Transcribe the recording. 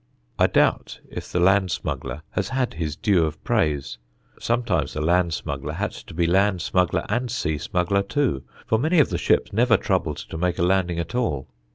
I doubt if the land smuggler has had his due of praise. Sometimes the land smuggler had to be land smuggler and sea smuggler too, for many of the ships never troubled to make a landing at all.